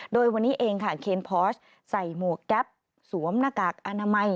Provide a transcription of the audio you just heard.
โดยวันนี้เองค่ะเคนพอสใส่หมวกแก๊ปสวมหน้ากากอนามัย